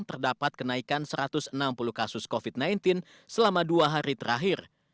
terdapat kenaikan satu ratus enam puluh kasus covid sembilan belas selama dua hari terakhir